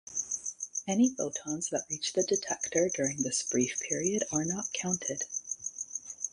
Any photons that reach the detector during this brief period are not counted.